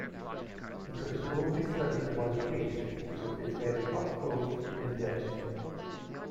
Because it only studies one case, so it is very up-close, in-depth.